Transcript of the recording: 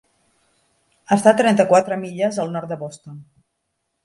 Està a trenta-quatre milles al nord de Boston.